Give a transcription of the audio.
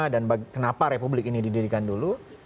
dan kenapa republik ini didirikan dulu